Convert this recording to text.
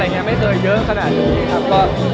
มันก็ยังมีคู่ที่จะสั่งกับคืนนี้